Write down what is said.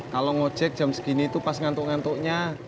kalau ngocek jam segini itu pas ngantuk ngantuknya